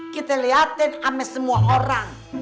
kita liatin ama semua orang